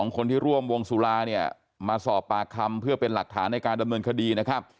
คนที่ร่วมวงสุราเนี่ยมาสอบปากคำเพื่อเป็นหลักฐานในการดำเนินคดีนะครับ